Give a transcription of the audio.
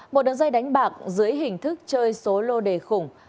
một đường dây đánh bạc dưới hình thức chơi số lô đề khủng